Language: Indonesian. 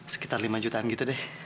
sekitar lima jutaan gitu deh